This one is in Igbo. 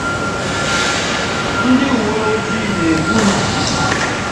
Ndị uwe ojii na-ekwu na